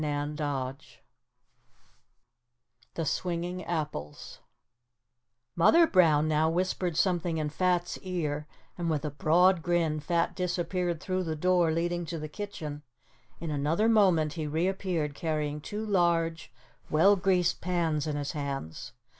CHAPTER III THE SWINGING APPLES Mother Brown now whispered something in Fat's ear and with a broad grin Fat disappeared through the door leading to the kitchen. In another moment he reappeared carrying two large, well greased pans in his hands.